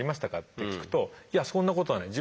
って聞くといやそんなことはない。